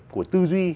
của tư duy